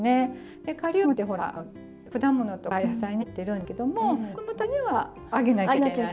でカリウムってほらあの果物とか野菜に入ってるんですけども子供たちにはあげなきゃいけない。